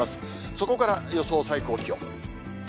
そこから予想最高気温。